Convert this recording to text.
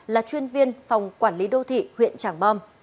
là chuyên viên phòng quản lý đô thị huyện tràng bom